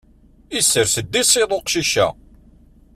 Isers-d iṣiḍ uqcic-a.